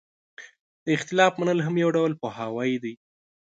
د اختلاف منل هم یو ډول پوهاوی دی.